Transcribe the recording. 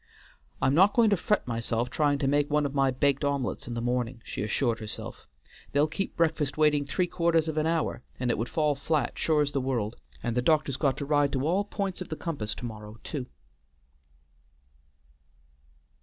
"I'm not going to fret myself trying to make one of my baked omelets in the morning," she assured herself, "they'll keep breakfast waiting three quarters of an hour, and it would fall flat sure's the world, and the doctor's got to ride to all p'ints of the compass to morrow, too."